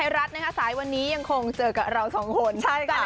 สวัสดีค่ะสวัสดีค่ะสวัสดีค่ะ